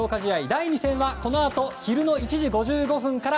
第２戦はこのあと昼の１時５５分から